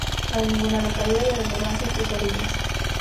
No hay ninguna localidad de relevancia en sus orillas.